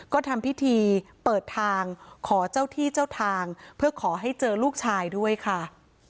ก็ทำพิธีเปิดทางขอเจ้าที่เจ้าทางเพื่อขอให้เจอลูกชายด้วยค่ะ